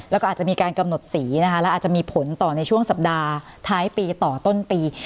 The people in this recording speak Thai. แล้วก็อาจจะมีการกำหนดสีนะคะและอาจจะมีผลต่อในช่วงสัปดาห์ท้ายปีต่อต้นปี